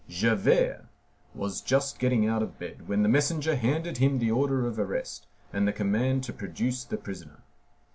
Javert was just getting out of bed when the messenger handed him the order of arrest and the command to produce the prisoner.